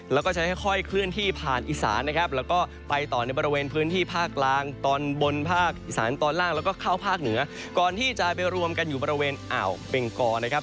แล้วก็จะค่อยเคลื่อนที่ผ่านอีสานนะครับแล้วก็ไปต่อในบริเวณพื้นที่ภาคกลางตอนบนภาคอีสานตอนล่างแล้วก็เข้าภาคเหนือก่อนที่จะไปรวมกันอยู่บริเวณอ่าวเบงกอนะครับ